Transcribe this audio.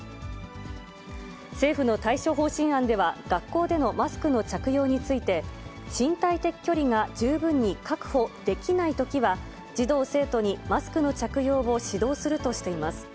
政府の対処方針案では、学校でのマスクの着用について、身体的距離が十分に確保できないときは、児童・生徒にマスクの着用を指導するとしています。